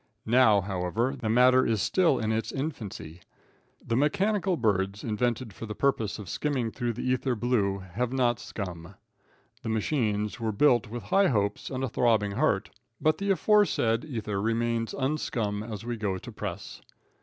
Now, however, the matter is still in its infancy. The mechanical birds invented for the purpose of skimming through the ether blue, have not skum. The machines were built with high hopes and a throbbing heart, but the aforesaid ether remains unskum as we go to press.